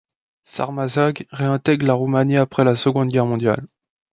Sărmășag réintègre la Roumanie après la Seconde Guerre mondiale.